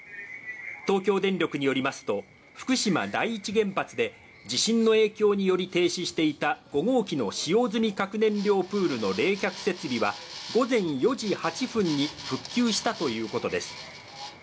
東京電力によりますと福島第一原発で地震の影響により停止していた５号機の使用済み核燃料プールの冷却設備は午前４時８分に復旧したということです。